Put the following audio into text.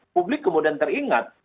publik kemudian teringat